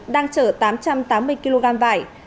đang chở tám trăm tám mươi kg vải